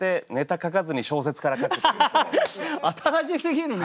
新しすぎるね！